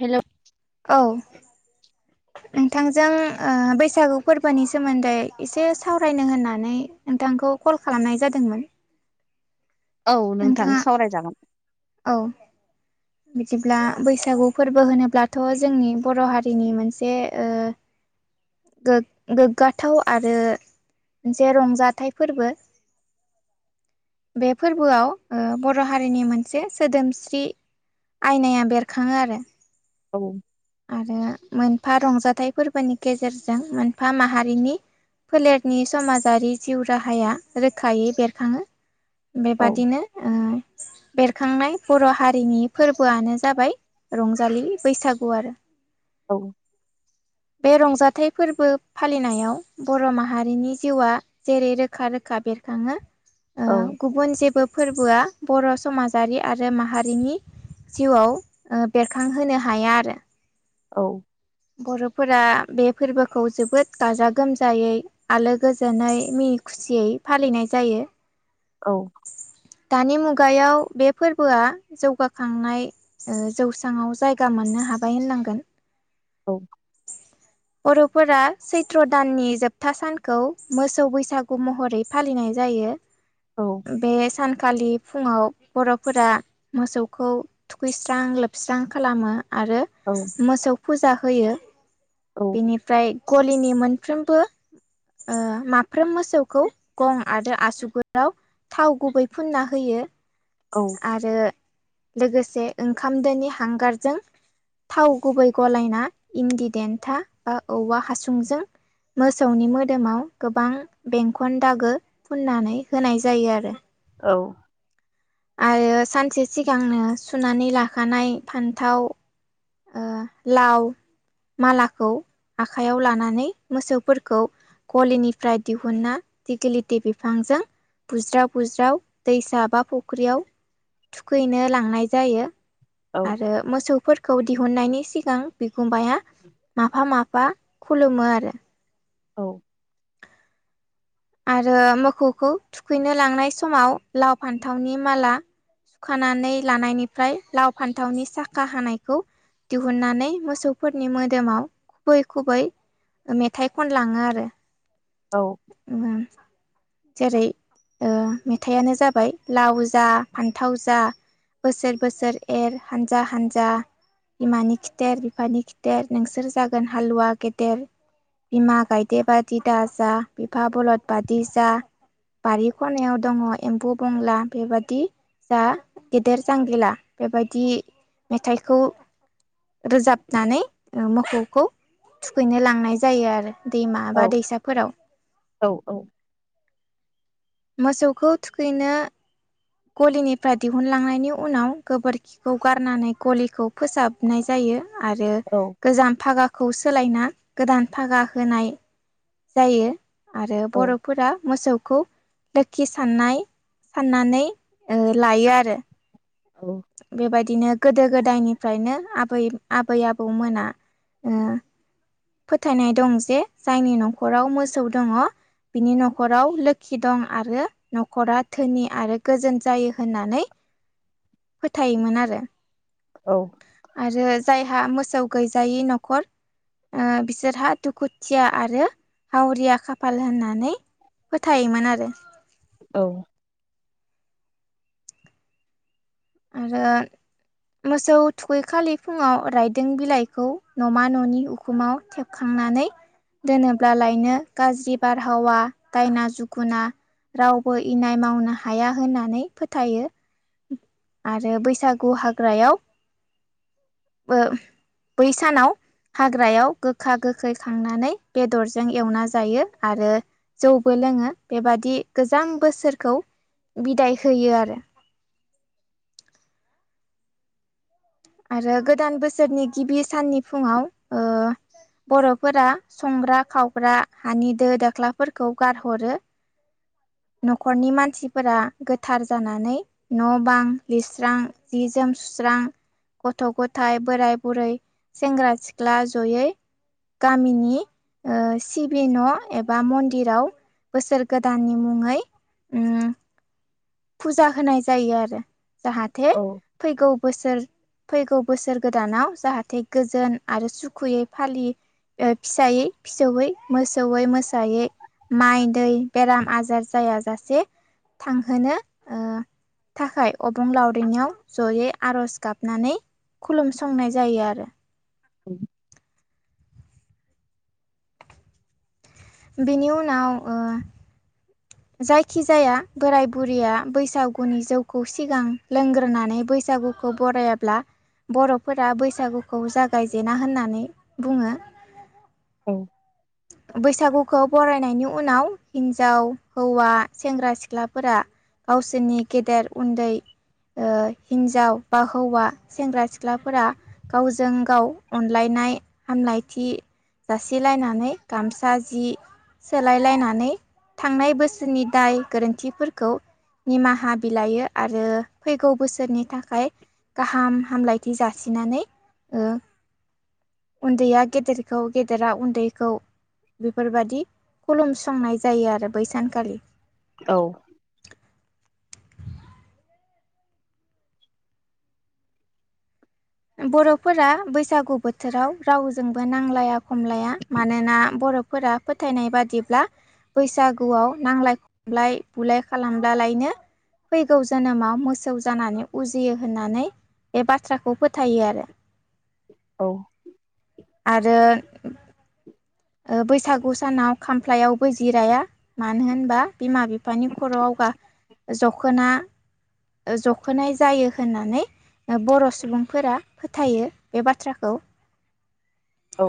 Hello औ नोंथांजों ओ बैसागु फोरबोनि सोमोन्दै एसे सावरायनो होननानै नोंथांखौ खौ कल खालामनाय जादोंमोन। औ नोंथां नोंथाङा सावराय जागोन। औ बिदिब्ला बैसागु फोरबो होनोब्लाथ' जोंनि बर' हारिनि मोनसे गोग-गोग्गाथाव आरो मोनसे रंजाथाइ फोरबो बे फोरबोआव ओ बर' हारिनि मोनसे सोदोमस्रि आयनाया बेरखाङो आरो औ आरो मोनफा रंजाथाइ फोरबोनि गेजेरजों जों मोनफा माहारिनि फोलेरनि समाजारि जिउ राहाया रोखायै बेरखाङो। औ बेबादिनो ओ बेरखांनाय बर' हारिनि फोरबोआनो जाबाय रंजालि बैसागु आरो औ। बे रंजाथाइ फोरबो फालिनायाव बर' माहारिनि जिउआ जेरै रोखा रोखा बेरखाङो। आ औ गुबुन जेबो फोरबोआ बर' समाजारि आरो माहारिनि जिउआव आ बेरखांहोनो हाया आरो औ बर'फोरा बे फोरबोखौ जोबोद गाजा गोमजायै आलो गोजोनै मिनि खुसियै फालिनाय जायो। औ दानि मुगायाव बे फोरबोआ जौगाखांनाय ओ जौस्रांव जायगा मोननो हाबाय। बाय होलांगोन औ बर'फोरा सैत्र दाननि जोबथा सानखौ मोसौ बैसागु महरै फालिनाय जायो। औ बे सानखालि फुङाव बर'फोरा मोसौखौ थुखैस्रां लोबस्रां खालामो। आरो औ मोसौ फुजा होयो औ बेनिफ्राय गलिनि मोन फ्रोमबो आ माफ्रोम मोसौखौ गं आरो आसुगुराव थाव गुबै फुनना होयो। आरो लोगोसे ओंखाम दोनि हांगारजों थाव गुबै गलायना इनदि देन्था बा औवा हासुंजों मोसौनि मोदोमाव गोबां बेंखन दागो फुननानै होनाय जायो आरो औ आरो सानसे सिगांनो सुनानै लाखानाय फान्थाव ओं लाव मालाखौ आखाइयाव लानानै मोसौफोरखौ गलिनिफ्राय दिहुनना दिगिलिटि बिफांजों बुज्राव बुज्राव दैसा बा फुख्रियाव थुखैनो लांनाय जायो। औ औ आरो मोसौफोरखौ दिहुननायनि सिगां बिगुमाया माफा माफा बा खुलुमो आरो औ आरो मोखोखौ थुखैनो लांनाय समाव लाव, फान्थावनि माला सुखानानै लानायनिफ्राय लाव फान्थावनि साखा हानायखौ दिहुननानै मोसौफोरनि मोदोमाव खुबै खुबै मेथाइ खनलाङो आरो उम जेरै ओ मेथाइयानो जाबाय लाव जा फान्थाव जा बोसोर बोसोर एर हानजा हानजा। बिमानि खिथेर बिफानि खिथेर नोंसोर जागोन हालुवा गेदेर। बिमा गायदेबादि दा जा बिफा बलद बादि जा। बारि खनायाव दङ एम्बु बंला बेबादि। जा गेदेर जांगिला बेबायदि मेथाइखौ रोजाबनानै मोखौखौ थुखैनो लांनाय जायो आरो। दैमा बा दैसाफोराव। औ औ। मोसौखौ थुखैनो गलिनिफ्राय दिहुनलांनायनि उनाव गोबोरखिखौ गारनानै गलिखौ फोसाबनाय जायो। आरो औ गोजाम फागाखौ सोलायना गोदान फागा होनाय जायो आरो बर'फोरा मोसौ खौ लोखि साननाय साननानै लायो आरो। बेबायदि बिदिनो गोदो गोदायनिफ्रायनो आबै आबै आबौमोना ओ फोथायनाय दं जे जायनि न'खराव मोसौ दङ बिनि न'खराव लोखि दं आरो न'खरा धोनि आरो गोजोन जायो होननानै। फोथायोमोन आरो। आरो जायहा मोसौ गैजायै न'खर ओ बिसोरहा दुखुथिया आरो हावरिया खाफाल होननानै फोथायोमोन आरो। औ। आरो मोसौ थुखैखालि फुङाव रायदों बिलाइखौ न'मा न'नि उखुमाव थेबखाङो। नानै दोनोब्ला लायनो गाज्रि बारहावा दायना जुगुना रावबो इनाय मावनो हाया होननानै फोथायो। आरो बैसागु हाग्रायाव ओ बै सानाव हाग्रायाव गोखा गोखै खांनानै बेदरजों एवना जायो आरो जौ बो लोङो बेबादि गोजाम बोसोरखौ बिदाय होयो आरो। आरो गोदान बोसोरनि गिबि साननि फुङाव ओ बर'फोरा संग्रा खावग्रा हानि दो दाख्लाफोरखौ गारहरो न'खरनि मानसिफोरा गोथार जानानै न' बां लिरस्रां जि जोम सुस्रां गथ' गथाय बोराय बुरै सेंग्रा सिख्ला जयै गामिनि ओ सिबि न' एबा मन्दिराव बोसोर गोदाननि मुङा [unintelligible] ओम फुजा होनाय जायो आरो जाहाथे फैगौ बोसोर फैगौ बोसोर गोदानाव जाहाथे गोजोन आरो सुखुयै फालियो। फिसायै फिसौयै मोसौैयै मोसायै माइ दै बेराम आजार जायाजासे थांहोनो ओ थाखाय अबं लावरिनियाव जयै आर'ज गाबनानै खुलुमसंनाय जायो आरो। औ। बेनि उनाव ओ जायखिजाया बोराय बुरैया बैसागुनि जौखौ सिगां लोंग्रोनानै बैसाग बैसागुखौ बरायाब्ला बर'फोरा बैसागुखौ जागायजेना होननानै बुङो। औ। बैसागुखौ बरायनायनि उनाव हिन्जाव हौवा सेंग्रा सिख्लाफोरा गावसोरनि गेदेर उन्दै ओ हिन्जाव बा हौवा सेंग्रा सिख्ला सिख्लाफोरा गावजों गाव अनलायनाय हामलायथि जासिलायनानै गामसा जि सोलायलायनानै थांनाय बोसोरनि दाय गोरोन्थिफोरखौ निमाहा बिलइयो आरो फैगौ बोसोरनि थाखाय गाहाम हामलायथि जासिनानै ओ उन्दैया गेदेरखौ गेदेरा उन्दैखौ बेफोरबायादि खुलुमसंनाय जायो आरो बै सानखालि। औ बर'फोरा बैसागु बोथोराव रावजोंबो नांलाया खमलाया मानोना बर बर'फोरा फोथायनाय बादिब्ला बैसागुआव नांजलाय खमलाय बुलाय खालामलालायनो फैगौ जोनोमाव मोसौ जानानै उजियो होननानै बे बाथ्राखौ फोथ थायो आरो औ आरो बैसागु सानाव खामफ्लायावबो जिराया मानो होनबा बिमा बिफानि खर' आव गा जखोनाय जायो होननानै। ओ बर' सुबुंफोरा फोथायो बे बाथ्राखौ। औ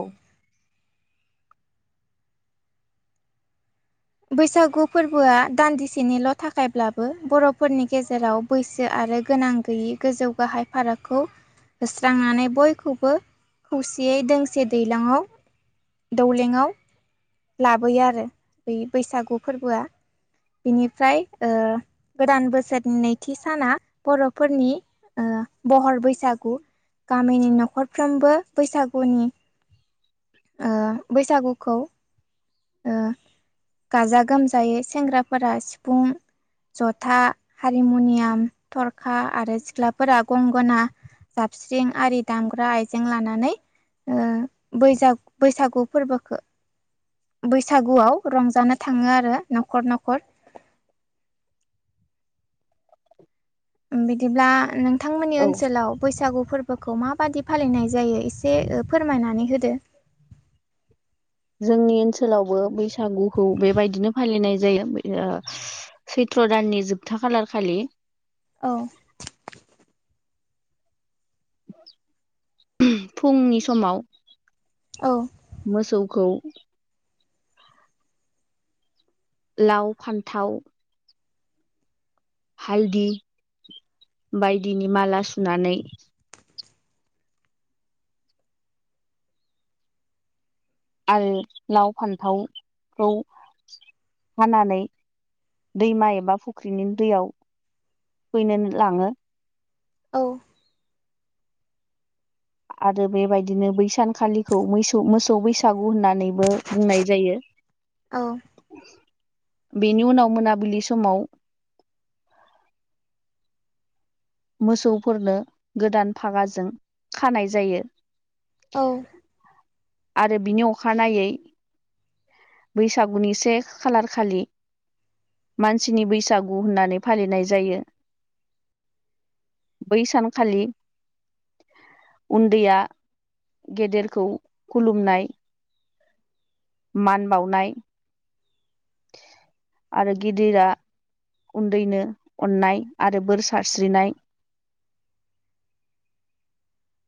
बैसागु फोरबोआ दान्दिसेनिल' थाखायब्लाबो बर'फोरनि गेजेराव बैसो आ आरो गोनां गैयै गोजौ गाहाय फारागखौ होस्रांनानै बयखौबो खौसेयै दोंसे दैज्लाङआव दौलेङआव सं लाबोयो आरो बै बैसागु फोरबोआ बिनिफ्राय ओ गोदान बोसोरनि नैथि साना बर'फोरनि बहर बैसागु गामिनि न'खरफ्रोमबो बैसागुनि बैसागुखौ ओ गाजा गोमजायै सेंग्राफोरा सिफुं जथा हारमुनियाम थरखा आरो सिख्णमतममलाफोरा गंगोना। जाबस्रिं आरि दामग्रा आइजें लानानै ओ बैसाग बैसागु फोरबोखौ बैसागुआव रंजानो थाङो आरो न'खर न'खर। बिदिब्ला नोंथांमोननि ओनसोलाव बैसागु फोरबोखौ माबादि फालिनाय जायो एसे फोरमायनानै होदो। जोंनि ओनसोलावबो बैसागुखौ बेबायदिनो फालिनाय जायो ओ सैत्र थ्रदाननि जोबथा खालार खालि। औ फुंनि समाव औ मोसौ खौ लाव फान्थाव हालदि बायदिनि माला सुनानै आरो लाव फान्थावखौ हानानै दैमा एबा फुख्रिनि दैयाव फैनो लाङो। औ आरो बेबायदिनो बैसानखालिखौ ममोसौ बैसागु होननानैबो बुंनाय जायो। औ बेनि उनाव मोनाबिलि समाव मोसौफोरनो गोदान फागाजों खानाय जायो। औ आरो बिनि अखानायै बैसागुनि से खालार खालि मानसिनि बैसागु होननानै फालिनाय जायो बै सानखालि उन्दैया गेदेरखौ खुलुमनाय मान बावनाय [inaudible] आरो गिदिरा उन्दैनो अननाय आरो बोर सारस्रिनाय [inaudible]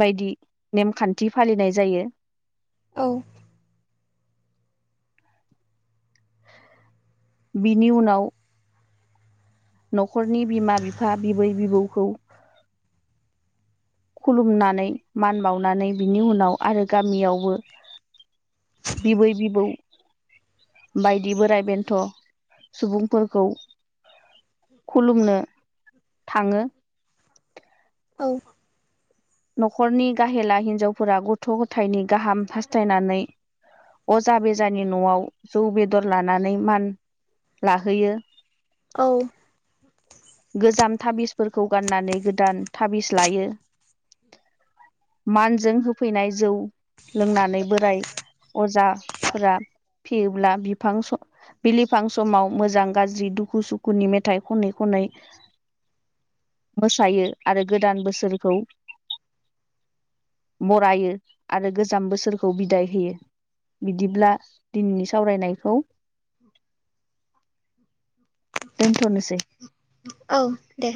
बायदि नेमखान्थि फालिनाय जायो औ बिनि उनाव न'खरनि बिमा बिफा बिबै बिबौखौ खुलुमनानै मान बावनानै बिनि उनाव आरो गामियावबो बिबै बिबौ बायदि बोराइ बेन्थ' सुबुंफोरखौ खुलुमनो थाङो। औ न'खरनि गाहेला हिन्जावफोरा गथ' गथायनि गाहाम हास्थायनानै अजा बेजानि न'आव जौ बेदर लानानै मान लाहोयो औ गोजाम थाबिसफोरखौ गाननानै गोदान थाबिस लायो। मानजों होफैनाय जौ लोंनानै बोराय अजाफोरा फेयोब्ला बिफां स' बिलिफां समाव मोजां गाज्रि दुखु सुखुनि मेथाइ खनै खनै मोसायो आरो गोदान बोसोरखौ बरायो आरो गोजाम बोसोरखौ बिदाय होयो। बिदिब्ला दिनैनि सावरायनायखौ [inaudible] दोन्थनोसै। औ दे।